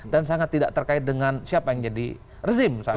dan sangat tidak terkait dengan siapa yang jadi rezim saat itu